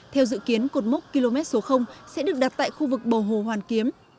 theo dự kiến cột mốc km số sẽ được đặt tại khu vực bầu hồ hoàn kiếm